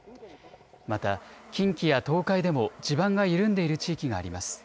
また近畿や東海でも地盤が緩んでいる地域があります。